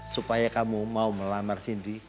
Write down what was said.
supaya kamu mau melamar sindi